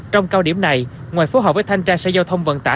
trong cao điểm này ngoài phù hợp với thanh tra xe giao thông vận tả